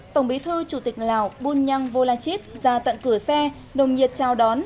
tổng bí thư chủ tịch lào bùn nhăng vô la chít ra tận cửa xe nồng nhiệt trao đón